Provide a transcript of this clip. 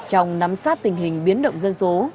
trong nắm sát tình hình biến động dân số